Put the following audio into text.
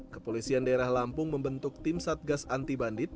kepolisian daerah lampung membentuk tim satgas anti bandit